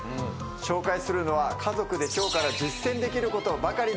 紹介するのは家族で今日から実践できることばかりです。